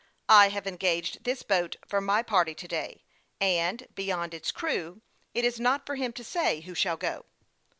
I have engaged this boat for my party to day ; and, beyond his crew, it is not for him to say who shall go."